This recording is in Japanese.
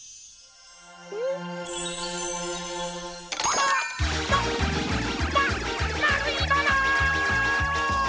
あっまままるいもの！